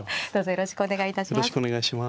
よろしくお願いします。